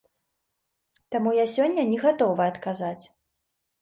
Таму я сёння не гатовы адказаць.